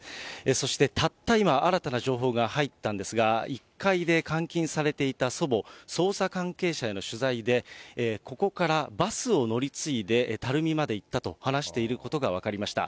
そしてたった今、新たな情報が入ったんですが、１階で監禁されていた祖母、捜査関係者への取材で、ここからバスを乗り継いで垂水まで行ったと話していることが分かりました。